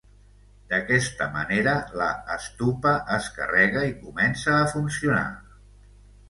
D'aquesta manera la stupa es carrega i comença a funcionar.